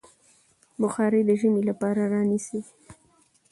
بخارۍ د ژمي لپاره رانيسئ.